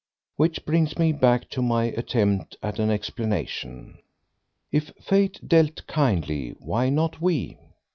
Which brings me back to my attempt at an explanation. If Fate dealt kindly, why not we?